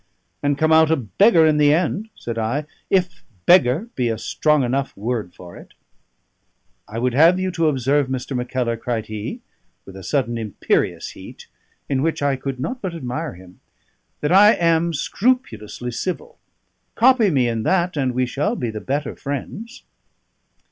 "And come out a beggar in the end," said I, "if beggar be a strong enough word for it." "I would have you to observe, Mr. Mackellar," cried he, with a sudden imperious heat, in which I could not but admire him, "that I am scrupulously civil; copy me in that, and we shall be the better friends."